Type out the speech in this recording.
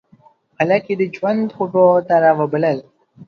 خلک یې د ژوند خوږو ته را وبلل.